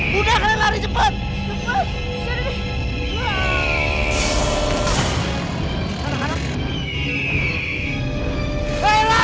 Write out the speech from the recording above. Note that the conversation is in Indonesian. budak kalian lari cepet